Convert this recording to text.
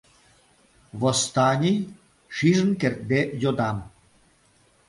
Восстаний?.. — шижын кертде йодам.